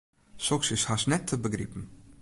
Soks is hast net te begripen.